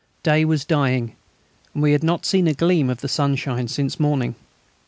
Day was dying, and we had not seen a gleam of sunshine since morning.